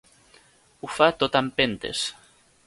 Ho fa tot a empentes.